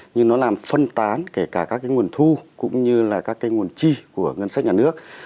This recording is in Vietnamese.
nhưng nó làm phân tán kể cả các nguồn thu cũng như các nguồn chi của ngân sách nhà nước